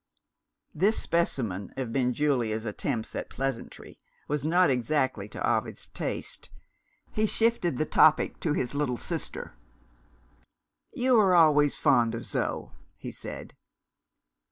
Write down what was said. This specimen of Benjulia's attempts at pleasantry was not exactly to Ovid's taste. He shifted the topic to his little sister. "You were always fond of Zo," he said.